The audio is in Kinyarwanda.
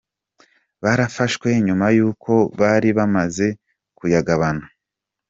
Barafashwe nyuma y’uko bari bamaze kuyagabana.